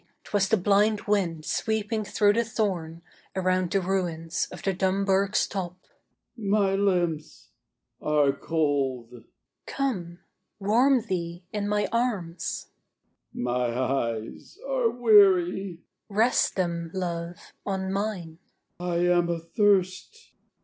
'twas the blind wind sweeping through the thorn Around the ruins of the Dumburg's top. He My limbs are cold. She Come! warm thee in my arms. He My eyes are weary. She Rest, them, love, on mine. He I am athirst.